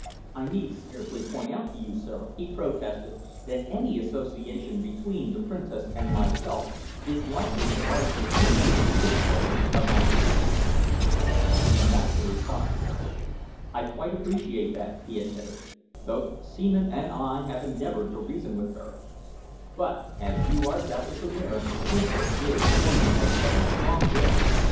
"I need scarcely point out to you, sir," he protested, "that any association between the Princess and myself is likely to largely increase the difficulties of my position here." The Ambassador sighed. "I quite appreciate that," he admitted. "Both Seaman and I have endeavoured to reason with her, but, as you are doubtless aware, the Princess is a woman of very strong will.